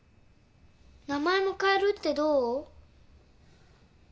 名前も変えるってどう？